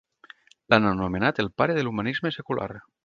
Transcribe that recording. L'han anomenat "el pare de l'humanisme secular".